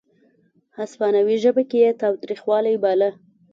هسپانوي ژبه کې یې تاوتریخوالی باله.